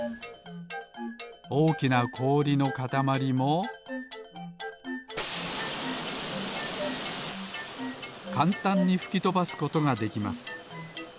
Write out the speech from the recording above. おおきなこおりのかたまりもかんたんにふきとばすことができます。